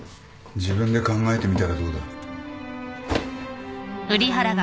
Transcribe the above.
自分で考えてみたらどうだ。